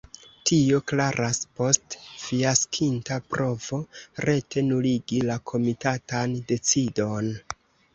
Tio klaras post fiaskinta provo rete nuligi la komitatan decidon.